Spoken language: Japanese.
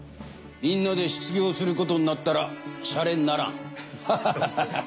みんなで失業することになったらしゃれにならん。